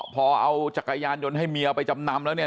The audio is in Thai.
พอเอาจักรยานยนต์ให้เมียไปจำนำแล้วเนี่ย